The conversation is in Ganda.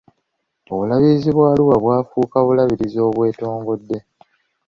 Obulabirizi bwa Arua bwafuuka obulabirizi obwetongodde.